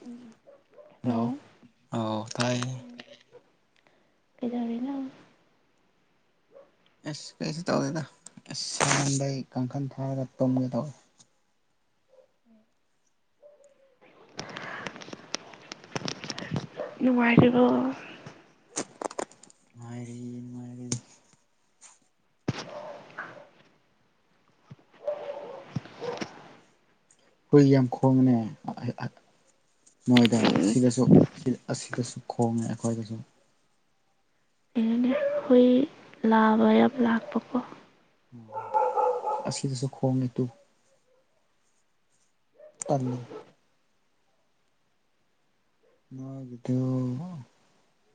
ꯎꯝ hello! ꯑꯥꯎ ꯇꯥꯏ꯫ ꯀꯩꯗꯧꯔꯤꯅꯣ? ꯑꯁ ꯀꯩꯁꯨ ꯇꯧꯗꯦꯗ ꯑꯁꯗ ꯀꯥꯡꯈꯜ ꯊꯥꯔꯒ ꯇꯨꯝꯒꯦ ꯇꯧꯋꯦ ꯫ [inaudible] ꯅꯨꯡꯉꯥꯏꯔꯤꯕ? ꯅꯨꯡꯉꯥꯏ ꯔꯤ ꯅꯨꯡꯉꯥꯏ ꯔꯤ꯫ ꯍꯨꯏ ꯌꯥꯝ ꯈꯣꯡꯅꯦ ꯅꯣꯏꯗ ꯑꯁꯤꯗꯁꯨ ꯑꯁꯤꯗꯁꯨ ꯈꯣꯡꯉꯦ ꯑꯩꯈꯣꯏꯗꯁꯨ ꯀꯩꯅꯣꯅꯦ ꯍꯨꯏ ꯂꯥꯕ ꯌꯥꯝ ꯂꯥꯛꯄꯀꯣ ꯑꯁꯤꯗꯁꯨ ꯈꯣꯡꯉꯤ ꯇꯨ ꯀꯜꯂꯦ꯫ ꯉꯒꯤꯗꯨ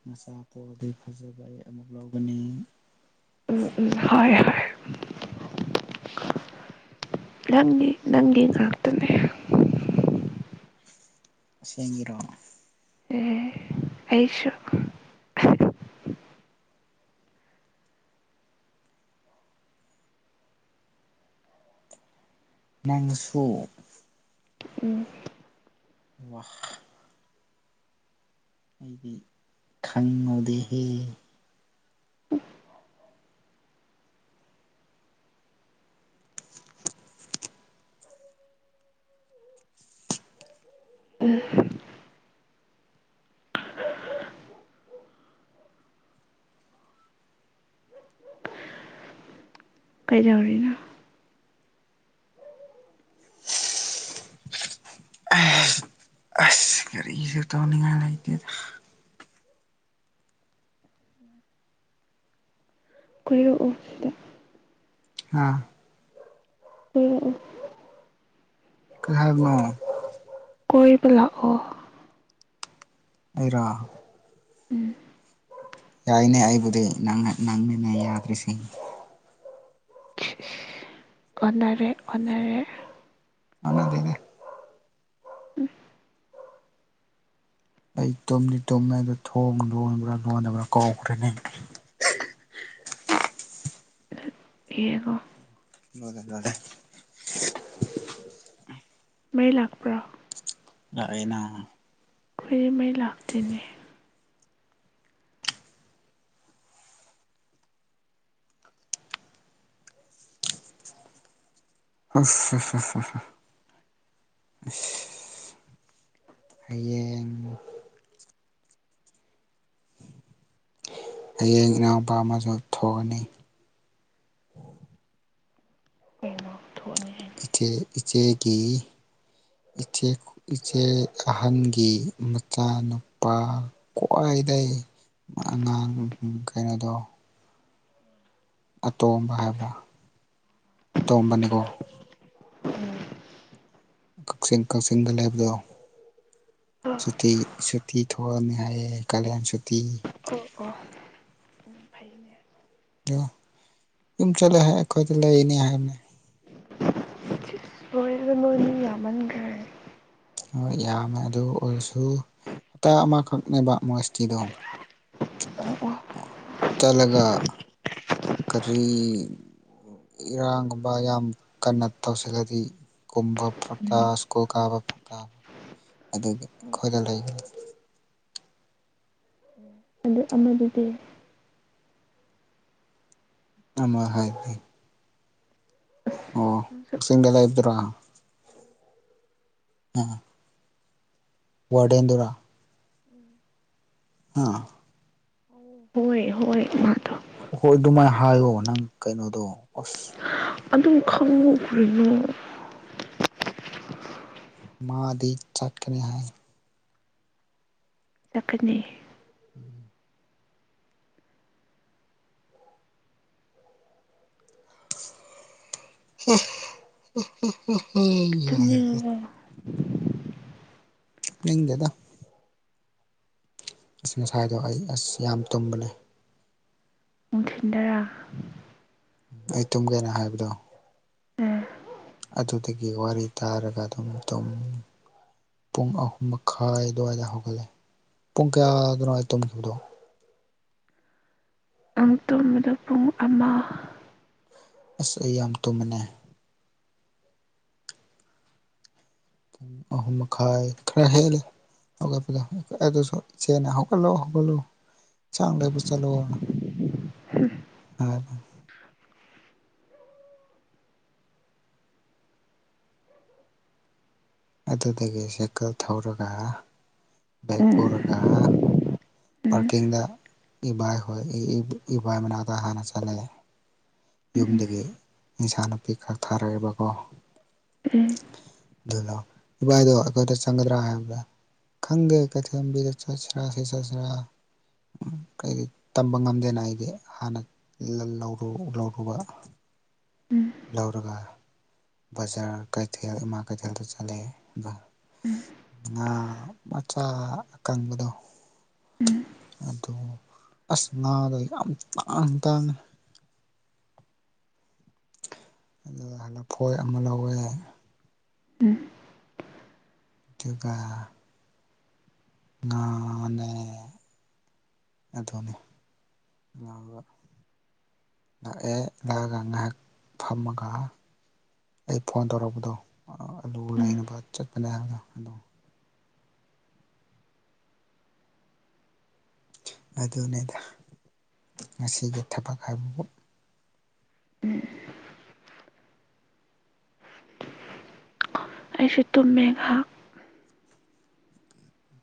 ꯃꯆꯥ ꯄꯣꯄꯗꯩ ꯐꯖꯕ ꯑꯩ ꯑꯃꯨꯛ ꯂꯧꯒꯅꯤ꯫ ꯎꯝ ꯎꯝ ꯍ ꯍꯣꯏ꯫ ꯅꯪꯒꯤ ꯅꯪꯒꯤ ꯉꯥꯛꯇꯅꯦ꯫ ꯁꯦꯡꯕꯩꯔꯣ? ꯑꯦ ꯑꯩꯁꯨ ꯅꯪꯁꯨ ꯎꯝ [unintelligible] ꯑꯩꯒꯤ ꯈꯪꯉꯗꯦꯍꯦ [inaudible] ꯎꯝ꯫ ꯀꯩ ꯗꯧꯔꯤꯅꯣ? ꯀꯩꯁꯨ ꯇꯧꯅꯤ ꯉꯥꯏ ꯂꯩꯇꯦꯗꯥ ꯫ ꯀꯣꯏꯔꯛ ꯑꯣ ꯁꯤꯗꯥ꯫ ꯑꯥ꯫ ꯀꯣꯏꯔꯛ ꯑꯣ꯫ ꯀꯩ ꯍꯥꯏꯕꯅꯣ? ꯀꯣꯏꯕ ꯂꯥꯛꯑꯣ꯫ ꯑꯩꯔꯣ? ꯎꯝ꯫ ꯌꯥꯏꯅꯦ ꯑꯩꯕꯨꯗꯤ ꯅꯪꯅꯤꯅ ꯌꯥꯗ꯭ꯔꯤꯁꯤ ꯑꯣꯟꯅꯔꯦ - ꯑꯣꯟꯅꯔꯦ꯫ ꯑꯣꯅꯗꯦꯅꯦ꯫ ꯎꯝ ꯑꯩ ꯇꯨꯝꯗꯤ ꯇꯨꯝꯃꯦꯗꯣ ꯊꯣꯡ ꯂꯣꯟꯕ꯭ꯔꯥ ꯂꯣꯟꯗꯕ꯭ꯔꯥ ꯀꯧꯈ꯭ꯔꯅꯤ ꯍꯀꯣ ꯍꯗꯦ ꯐꯗꯦ ꯃꯔꯤ ꯂꯥꯛꯄ꯭ꯔꯥꯣ ꯂꯥꯛꯑꯦꯅ ꯐꯔꯤꯃꯩ ꯂꯥꯛꯇꯅꯦ ꯑ ꯍꯌꯦꯡ ꯍꯌꯦꯡ ꯏꯅꯥꯎꯄꯥ ꯑꯃꯁꯨ ꯊꯣꯛꯑꯅꯤ ꯀꯩꯅꯣ ꯊꯣꯛꯑꯅꯤ ꯍꯥꯏꯅꯦ ꯏꯆ ꯏꯆꯦꯒꯤ ꯏꯆꯦ ꯑꯍꯟꯒꯤ ꯃꯆꯥꯅꯨꯄꯥ ꯈ꯭ꯋꯥꯏꯗꯒꯤꯩ ꯑꯉꯥꯡ ꯀꯩꯅꯣꯗꯣ ꯑꯇꯣꯝꯕ ꯍꯥꯏꯕ꯭ꯔꯥ ꯑꯇꯣꯝꯕꯅꯤꯀꯣ ꯀꯛꯆꯤꯡ ꯀꯛꯆꯤꯡꯗ ꯂꯩꯕꯗꯣ ꯑꯣ ꯁꯨꯇꯤ ꯁꯨꯇꯤ ꯊꯣꯛꯑꯅꯤ ꯍꯥꯏꯌꯦꯦ ꯀꯥꯂꯦꯟ ꯁꯨꯇꯤ ꯣ ꯎ ꯐꯩꯅꯦ ꯑ ꯑꯗꯨꯝ ꯆꯂ ꯍꯥꯏ ꯑꯩꯈꯣꯏ ꯂꯩꯅꯤ ꯍꯥꯏꯃꯦ ꯍꯣꯔꯦꯗ ꯅꯣꯏꯅꯤ ꯌꯥꯝꯃꯟꯈ꯭ꯔꯦ ꯍꯣꯏ ꯌꯥꯝꯃꯦ ꯑꯗꯨ ꯑꯣꯏꯔꯁꯨ ꯍꯞꯇꯥ ꯑꯃꯈꯛꯅꯦꯕ ꯃꯣꯁꯇꯤꯗꯣ ꯑꯣ ꯑꯣ ꯇꯂꯒ ꯀꯔꯤ ꯏꯔꯥꯡꯒꯨꯝꯕ ꯌꯥꯝ ꯀꯟꯅ ꯇꯧꯁꯤꯜꯂꯗꯤ ꯀꯨꯝꯕ ꯐꯔꯛꯇ ꯎꯝ ꯁ꯭ꯀꯨꯜ ꯀꯥꯕ ꯐꯔꯛꯇꯥꯕ ꯑꯗꯨ ꯈꯣꯏ ꯂ ꯂꯩꯒꯅꯤ ꯑꯗꯨ ꯑꯃꯗꯤ ꯑ ꯍꯥꯏꯗꯤ ꯑꯣ ꯅꯪꯁꯨ ꯐꯁꯤꯤꯡꯗꯗ꯭ꯔꯥ ꯑ ꯔꯗꯦꯟꯗ꯭ꯔꯥ ꯑꯥ ꯑꯣ ꯍꯣꯏ ꯍꯣꯏ ꯃꯥ ꯍꯣꯏ ꯑꯗꯨꯃꯥꯏꯅ ꯍꯥꯏꯌꯣ ꯅꯪ ꯀꯩꯅꯣꯗꯣ ꯑꯁ ꯑꯗꯨꯝ ꯈꯪꯉꯨꯈ꯭ꯔꯤꯅꯨ ꯃꯥꯗꯤ ꯆꯠꯀꯅꯤ ꯍꯥꯏꯥꯏ ꯆꯀꯠꯅꯤ ꯎꯝ [unintelligible] ꯍ ꯍ ꯍ ꯇꯨꯝꯅꯤꯡꯉꯕꯣ ꯅ ꯗꯗ ꯑꯁꯤ ꯉꯁꯥꯗꯣ ꯑꯩ ꯑꯁ ꯌꯥꯝ ꯇꯨꯝꯕꯅꯦ ꯃꯊꯤꯟꯗꯔꯥ ꯑꯩ ꯇꯨꯝꯒꯦꯅ ꯍꯥꯏꯕꯗꯣ ꯎꯝ ꯑꯗꯨꯗꯒꯤ ꯋꯥꯔꯤ ꯇꯥꯔꯒ ꯑꯗꯨꯝ ꯄꯨꯡ ꯑꯍꯨꯝ ꯃꯈꯥꯏ ꯑꯗꯨꯋꯥꯏꯗ ꯍꯧꯒꯠꯂꯦ ꯄꯨꯡ ꯀꯌꯥꯗꯅꯣ ꯇꯨꯝꯈꯤꯕꯗꯣ ꯑꯃꯨꯛ ꯇꯣꯕꯗ ꯄꯨꯡ ꯑꯃ ꯑꯁ ꯑꯩ ꯌꯥꯝ ꯇꯨꯝꯕꯅꯦ ꯄꯨꯡ ꯑꯍꯨꯝ ꯃꯈꯥꯏ ꯈꯔ ꯍꯦꯜꯂꯦ ꯍꯧꯒꯠꯄ ꯑꯗꯨꯁꯨ ꯏꯦꯅ ꯍꯧꯒꯠꯂꯛꯑꯣ ꯍꯧꯒꯠꯂꯣ ꯆꯥꯡ ꯂꯩꯕ ꯆꯠꯂꯣ ꯑꯗꯨꯗꯒꯤ ꯁꯥꯏꯀꯜ ꯊꯧꯔꯒ ꯕꯦꯛ ꯎꯝ ꯄꯨꯔꯒ ꯎꯝ ꯄꯥꯔꯀꯤꯡꯗ ꯏꯕꯥꯏ ꯍꯣꯏ ꯏꯕꯥꯏ ꯃꯅꯥꯛꯇ ꯍꯥꯟꯅ ꯆꯠꯂꯦ ꯌꯨꯝꯗꯒꯤ ꯏꯟꯁꯥꯅꯨꯄꯤ ꯈꯛ ꯊꯥꯔꯛꯏꯕꯀꯣ ꯎꯝ ꯑꯗꯨꯅ ꯏꯕꯥꯏꯗꯣ ꯑꯩꯈꯣꯏꯗ ꯆꯪꯒꯗ꯭ꯔꯥ ꯍꯥꯏꯕꯗ ꯈꯪꯗꯦ ꯀꯩꯊꯦꯜꯕꯤꯗ ꯆꯠꯁ꯭ꯔꯁꯤ ꯆꯠ ꯈꯔ ꯀꯩ ꯇꯝꯕ ꯉꯝꯗꯦꯅ ꯑꯩꯗꯤ ꯍꯥꯟꯅ ꯂꯧꯔ ꯂꯧꯔꯨꯕ ꯎꯝ ꯂꯧꯔꯒ ꯕꯖꯥꯔ ꯀꯩꯊꯦꯜ ꯏꯃꯥ ꯀꯩꯊꯦꯜꯗ ꯆꯠꯂꯦ ꯑ ꯉꯥ ꯃꯆꯥ ꯑꯀꯪꯕꯗꯣ ꯎꯝ ꯑꯗꯨ ꯑꯁ ꯉꯥꯗꯣ ꯌꯥꯝ ꯇꯥꯡ ꯇꯥꯡꯉꯤ ꯑꯗꯨ ꯂꯐꯣꯏ ꯑꯃ ꯂꯧꯋꯦ ꯎꯝ ꯑꯗꯨꯒ ꯉꯥꯟꯅꯦ ꯑꯗꯨꯅꯤ ꯉ ꯂꯥꯛꯑꯦ ꯂꯥꯛꯑꯒ ꯉꯥꯏꯍꯥꯛ ꯐꯝꯃꯒ ꯑꯩ ꯐꯣꯟ ꯇꯧꯔꯛꯄꯗꯣ ꯑꯂꯨ ꯎꯝ ꯂꯩꯅꯕ ꯆꯠꯄꯅꯦ ꯍꯥꯏꯕꯗꯣ ꯑꯗꯣ ꯑꯗꯨꯅꯤꯗ ꯉꯁꯤꯒꯤ ꯊꯕꯛ ꯍꯥꯏꯕꯕꯨ ꯑꯦ ꯑꯩꯁꯨ ꯇꯨꯝꯃꯦꯍꯥꯛ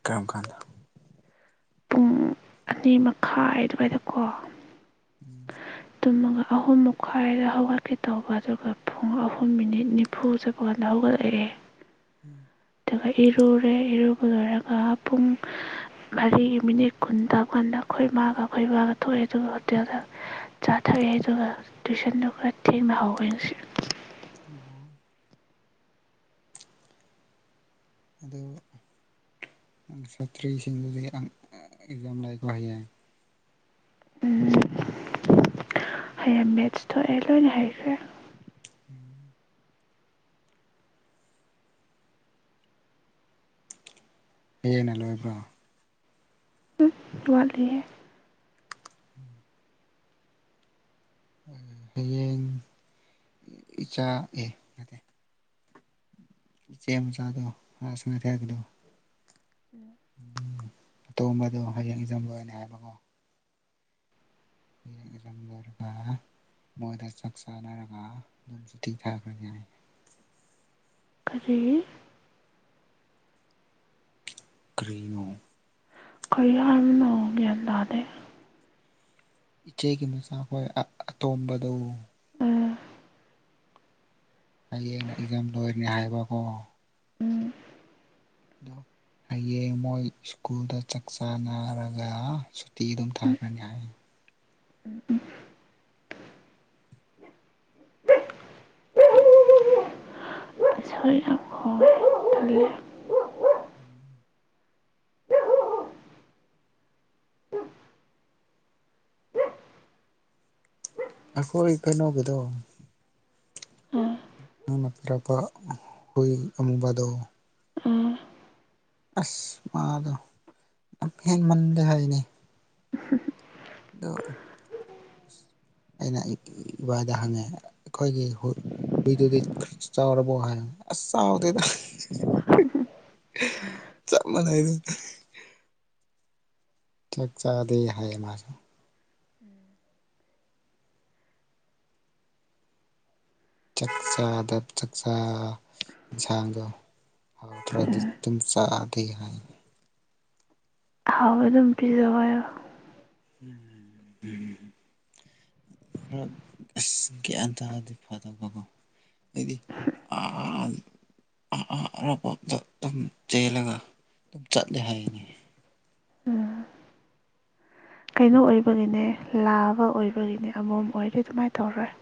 ꯀꯔꯝ ꯀꯥꯟꯗ ꯄꯨꯡ ꯑꯅꯤ ꯃꯈꯥꯏ ꯑꯗꯨꯋꯥꯏꯗꯀꯣ ꯎꯝ ꯇꯨꯝꯃꯒ ꯑꯍꯨꯝ ꯃꯈꯥꯏꯗ ꯍꯧꯒꯠꯀꯦ ꯇꯧꯕ ꯑꯗꯨꯒ ꯄꯨꯡ ꯑꯍꯨꯝ ꯃꯤꯅꯤꯠ ꯅꯤꯐꯨ ꯆꯄꯄꯥꯟꯗ ꯍꯧꯒꯠꯂꯛꯑꯦ ꯎꯝ ꯑꯗꯨꯒ ꯏꯔꯨꯔꯦ ꯏꯔꯨꯕ ꯂꯣꯏꯔꯒ ꯄꯨꯡ ꯃꯔꯤꯒꯤ ꯃꯤꯅꯤꯠ ꯀꯨꯟ ꯇꯀꯥꯟꯗ ꯑꯩꯈꯣꯏ ꯏ ꯃꯥꯒ ꯑꯩꯈꯣꯏ ꯏꯕꯥꯒ ꯊꯣꯛꯑꯦ ꯑꯗꯨꯒ ꯍꯣꯇꯦꯜꯗ ꯆꯥꯊꯛꯑꯦ ꯑꯗꯨꯒ ꯇꯨꯏꯁꯟꯗꯨꯣ ꯈꯔ ꯊꯦꯡꯅ ꯍꯧꯧꯋꯦ ꯉꯁꯤ ꯑꯣ ꯑ ꯁꯥꯇ꯭ꯔꯤꯁꯤꯡꯗꯗꯤ ꯑꯦꯛꯖꯥꯝ ꯂꯥꯛꯄ ꯍꯥꯏꯩꯌꯦ ꯍꯌꯦꯡ ꯃꯦꯠꯁ ꯊꯣꯛꯑꯦ ꯂꯣꯏꯅ ꯍꯥꯏꯩꯈ꯭ꯔꯦ ꯍꯌꯦꯅꯦ ꯂꯣꯏꯕ꯭ꯔꯣ ꯋꯥꯠꯂꯤꯦ ꯍꯌꯦꯡ ꯏꯆꯥ ꯑꯦ ꯅ ꯏꯆꯦ ꯃ ꯆꯥꯗꯣ ꯑꯁꯅ ꯊꯒꯗꯣ ꯎꯝ ꯑꯇꯣꯝꯕꯗꯣ ꯍꯌꯦꯡ ꯏꯖꯝ ꯂ ꯑꯣꯏꯅ ꯍꯥꯏꯕꯀꯣ ꯍꯔ ꯍꯖꯝ ꯂꯣꯏꯔꯒ ꯃꯣꯏꯗ ꯆꯥꯛ ꯆꯥꯅꯔꯒ ꯑꯗꯨꯝꯁꯨꯨꯇꯤ ꯊꯥꯈ꯭ꯔ ꯌꯥꯏ ꯐꯔꯤ ꯀ꯭ꯔꯤꯅꯨ ꯀꯩ ꯍꯔꯃꯤꯅꯒꯗꯥꯗꯦ ꯏꯆꯦꯒꯤ ꯃꯆꯥꯈꯣꯏ ꯑꯇꯣꯝꯕꯗꯨ ꯎ ꯍꯌꯦꯡꯅ ꯑꯦꯛꯖꯥꯝ ꯂꯣꯏꯔꯅꯤ ꯍꯥꯏꯕꯀꯣ ꯑꯗꯣ ꯍꯌꯦꯡ ꯃꯣꯏ ꯁ꯭ꯀꯨꯜꯗ ꯆꯥꯛ ꯆꯥꯅꯔꯒ ꯁꯨꯇꯤ ꯑꯗꯨꯝ ꯊꯥꯈ꯭ꯔꯅꯤ ꯍꯥꯏ ꯁꯣꯏꯄꯣ ꯑꯩꯈꯣꯏ ꯏ ꯀꯩꯅꯣꯒꯗꯣ ꯎꯝ ꯃꯕ ꯍ ꯑꯃꯨꯕꯗ ꯑ ꯑꯁ ꯃꯥꯗꯣ ꯍꯦꯟ ꯃꯜꯂꯦ ꯍꯥꯏꯅꯤ ꯎ ꯗ ꯑꯩꯅ ꯏꯕꯥꯏꯗ ꯍꯪꯉꯦ ꯑꯩꯈꯣꯏꯒꯤ ꯍꯨꯏꯗꯨꯗꯤ ꯆꯥꯎꯔꯕꯣ ꯍꯥꯏ ꯑꯁ ꯆꯥꯎꯗꯦ ꯆꯞ ꯃꯥꯟꯅꯩ ꯆ ꯆꯥꯗ ꯍꯥꯏ ꯃꯥꯁꯨ ꯎꯝ ꯆꯥꯛꯆꯥꯗ ꯆꯥꯛꯆꯥ ꯏꯟꯁꯥꯡꯒ ꯍꯧꯗ꯭ꯔꯗꯤ ꯑꯗꯨꯨꯝ ꯆꯥꯛꯑꯗꯤꯦ ꯍꯥꯏꯅ ꯍꯥꯎꯕ ꯑꯗꯨꯝ ꯄꯤꯖ ꯍꯥꯏꯣ ꯎꯝ ꯎꯝ ꯎꯝ ꯈꯔ ꯑꯁ ꯒ꯭ꯌꯥꯟ ꯇꯗꯤ ꯐꯗꯕꯀꯣ ꯑꯩꯗꯤ ꯑ ꯑ ꯑꯔꯥꯞꯄꯗ ꯑꯗꯨꯝ ꯆꯦꯜꯂꯒ ꯑꯗꯨꯝ ꯆꯠꯂꯦ ꯍꯥꯏꯅꯤ ꯎꯝ ꯀꯩꯅꯣ ꯑꯣꯏꯕꯒꯤꯅꯦ ꯂꯥꯕ ꯑꯣꯏꯕꯒꯤꯅꯦ ꯑꯃꯣꯝ ꯑꯣꯏꯔꯦ ꯑꯗꯨꯃꯥꯏꯅ ꯇꯧꯔꯣꯏ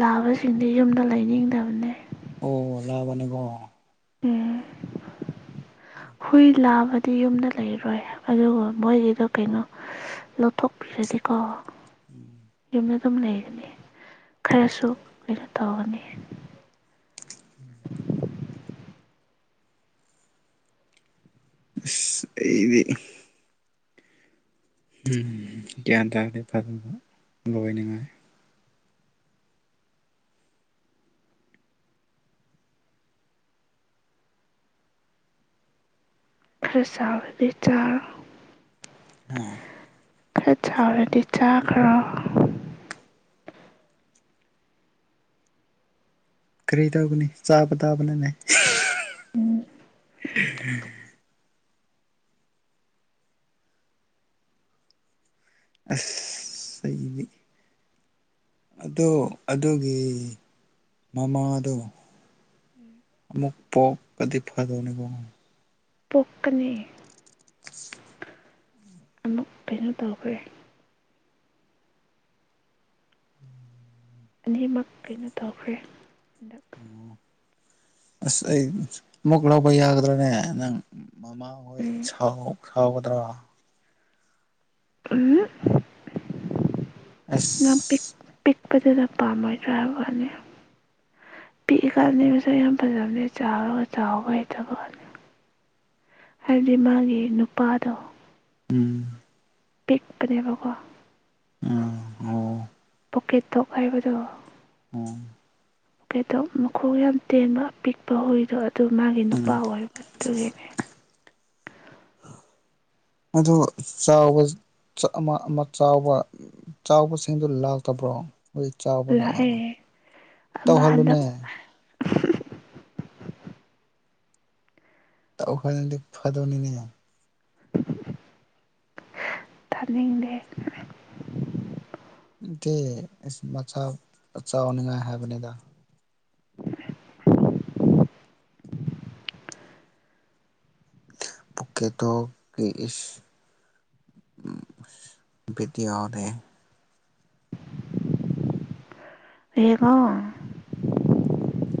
ꯂꯥꯕꯁꯤꯡꯗꯤ ꯌꯨꯝꯗ ꯂꯩꯅꯤꯡꯗꯕꯅꯦ ꯌꯥ ꯃꯅꯤꯀꯣ ꯎꯝ ꯍꯨꯏ ꯂꯥꯕꯗꯤ ꯌꯨꯝꯗ ꯂꯩꯔꯣꯏ ꯑꯗꯨꯒ ꯃꯣꯏꯒꯤꯗꯣ ꯀꯩꯅꯣ ꯂꯧꯊꯣꯛꯄꯤꯔꯗꯤꯀꯣ ꯀꯃ ꯑꯗꯨꯝ ꯂꯩꯒꯅꯤ ꯈꯔꯁꯨꯩꯅ ꯇꯧꯒꯅꯤ ꯎꯝ ꯏꯗꯤ ꯎ ꯒ꯭ꯌꯥꯟ ꯇꯥꯔꯗꯤ ꯐꯖꯕ ꯂꯣꯏꯅꯤꯡꯉꯥꯏ ꯐꯦꯁ ꯂꯤ ꯆ ꯍꯥꯝ ꯈꯔ ꯆꯥꯎꯥꯎꯔꯗꯤ ꯆꯥꯈ꯭ꯔꯣ ꯀꯔꯤ ꯇꯧꯒꯅꯤ ꯆꯥꯕ ꯇꯥꯕꯅꯅꯦ ꯎꯝ ꯁꯅꯤ ꯑ ꯑꯗꯨꯒꯤ ꯃꯃꯥꯗꯣ ꯑꯃꯨꯛ ꯄꯣꯛꯀꯗꯤ ꯐꯗꯣꯏꯅꯦꯀꯣ ꯄꯣꯛꯅꯤ ꯑꯃꯨꯛ ꯀꯩꯅꯣ ꯇꯧꯈ꯭ꯔꯦ ꯑꯅꯤꯃꯛ ꯀꯩꯅꯣ ꯇꯧꯈ꯭ꯔꯦ ꯍꯟꯗꯛ ꯑꯣ ꯑꯁ ꯑꯩ ꯑꯃꯨꯛ ꯂꯧꯕ ꯌꯥꯒꯗ꯭ꯔꯥꯅꯦ ꯅꯪ ꯃꯃꯥꯍꯣꯏ ꯎꯝ ꯁꯥꯎꯒꯗ꯭ꯔꯣ ꯎꯝ ꯄꯤ ꯄꯤ ꯑꯁ ꯄꯤꯛꯄꯗꯨꯗ ꯄꯥꯝꯃꯣꯏꯗ꯭ꯔꯥ ꯍꯥꯏꯕ ꯋꯥꯅꯤ ꯄꯤꯛꯏ ꯀꯥꯟꯅꯤ ꯃꯁꯛ ꯌꯥꯝ ꯐꯖꯕꯅꯦ ꯆꯥꯈ꯭ꯔꯒ ꯆꯥꯎꯕ ꯍꯩꯇꯕ ꯋꯥꯅꯤ ꯍꯥꯏꯕꯗꯤ ꯃꯥꯒꯤ ꯅꯨꯄꯥꯗꯣ ꯎꯝ ꯄꯤꯛꯄꯅꯦꯕꯒꯣ ꯎ ꯑꯣ ꯑꯣꯀꯦ ꯇꯣꯛ ꯍꯥꯏꯕꯗꯣ ꯎꯝ ꯀꯩꯗꯧ ꯃꯈꯣꯡ ꯌꯥꯝ ꯇꯦꯟꯕ ꯄꯤꯛꯄ ꯍꯨꯏꯗꯣ ꯑꯗꯨ ꯃꯥꯒꯤ ꯅꯨꯄꯥ ꯎꯝ ꯑꯣꯏꯕ ꯑꯗꯨꯒꯤꯅꯦ ꯑꯗꯨ ꯆꯥꯎꯕ ꯑꯃ ꯑꯃ ꯆꯥꯎꯕ ꯆꯥꯎꯕꯁꯤꯡꯗꯨ ꯂꯥꯛꯇꯕ꯭ꯔꯣ ꯍꯧꯖꯤꯛ ꯆꯥꯎꯕꯗ ꯂꯥꯛꯑꯦ ꯑꯃ ꯍꯟꯗꯛ ꯇꯧꯍꯜꯂꯨꯅꯦ ꯐꯗꯤ ꯐꯗꯣꯅꯤꯅꯦ ꯊꯗꯦ ꯀ ꯃꯆꯥ ꯆꯥꯎꯅꯤꯡꯉꯥꯏ ꯍꯥꯏꯕꯅꯦꯗ ꯄꯣꯛꯀꯦ ꯇ ꯎꯗꯤꯅꯦ ꯍꯦꯒꯣ